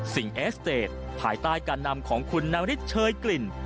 สิ่งเอสเตจภายใต้การนำของคุณนามฤทธิ์เชยกลิ่น